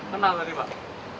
kenal lagi pak